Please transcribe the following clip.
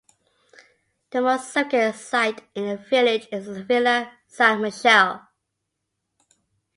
The most significant site in the village is the Villa San Michele.